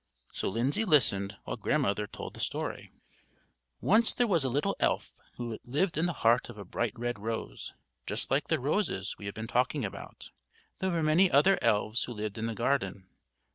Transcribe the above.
So Lindsay listened while Grandmother told the story: Once there was a little elf, who lived in the heart of a bright red rose, just like the roses we have been talking about. There were many other elves who lived in the garden.